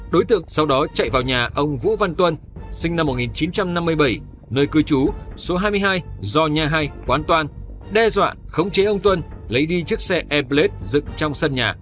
đối tượng sau đó chạy vào nhà ông vũ văn tuân sinh năm một nghìn chín trăm năm mươi bảy nơi cư trú số hai mươi hai do nhà hai quán toan đe dọa khống chế ông tuân lấy đi chiếc xe airblade dựng trong sân nhà